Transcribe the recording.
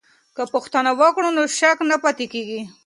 که پوښتنه وکړو نو شک نه پاتې کیږي.